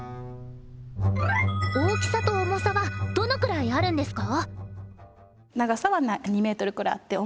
大きさと重さはどのくらいあるんですか？